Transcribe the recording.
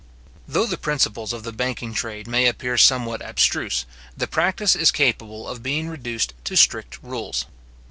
Though the principles of the banking trade may appear somewhat abstruse, the practice is capable of being reduced to strict rules.